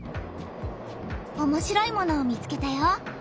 おもしろいものを見つけたよ。